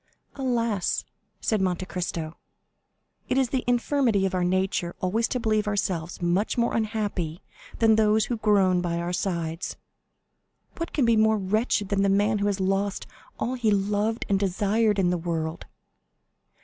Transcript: "Alas," said Monte Cristo, "it is the infirmity of our nature always to believe ourselves much more unhappy than those who groan by our sides!" "What can be more wretched than the man who has lost all he loved and desired in the world?"